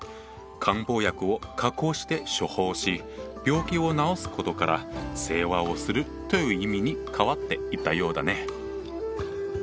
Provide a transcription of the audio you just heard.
漢方薬を加工して処方し病気を治すことから世話をするという意味に変わっていったようだね。